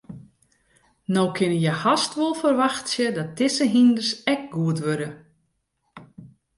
No kinne je hast wol ferwachtsje dat dizze hynders ek goed wurde.